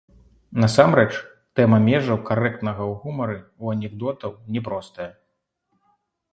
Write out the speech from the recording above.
Насамрэч, тэма межаў карэктнага ў гумары, у анекдотаў, не простая.